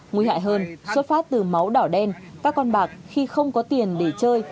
nguy hại hơn xuất phát từ máu đỏ đen các con bạc khi không có tiền để chơi